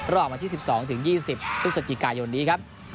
วันที่๑๒๒๐พฤศจิกายนนี้ครับ